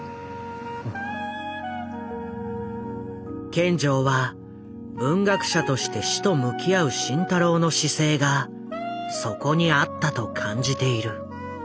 見城は文学者として死と向き合う慎太郎の姿勢がそこにあったと感じている。